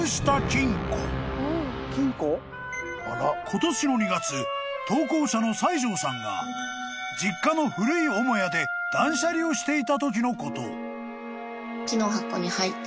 ［今年の２月投稿者の西條さんが実家の古い母屋で断捨離をしていたときのこと］